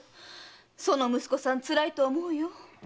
その息子さん辛いと思うよ。